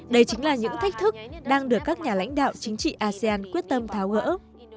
đây chính là những thách thức đang được các nhà lãnh đạo chính trị asean quyết tâm tháo gỡ